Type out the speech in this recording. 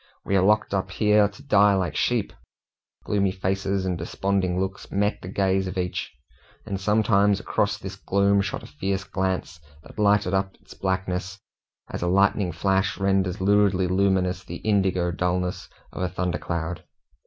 "We are locked up here to die like sheep." Gloomy faces and desponding looks met the gaze of each, and sometimes across this gloom shot a fierce glance that lighted up its blackness, as a lightning flash renders luridly luminous the indigo dullness of a thunder cloud.